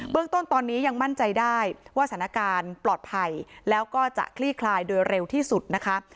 เรื่องต้นตอนนี้ยังมั่นใจได้ว่าสถานการณ์ปลอดภัยแล้วก็จะคลี่คลายโดยเร็วที่สุดนะคะ